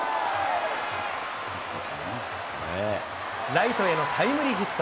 ライトへのタイムリーヒット。